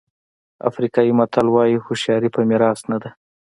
افریقایي متل وایي هوښیاري په میراث نه ده.